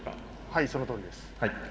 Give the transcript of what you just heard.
はいそのとおりです。